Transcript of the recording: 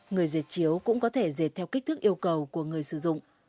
người giật chiếu cũng có thể giật theo kích thước yêu cầu của người sử dụng